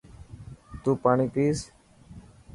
تون پاڻي پئس.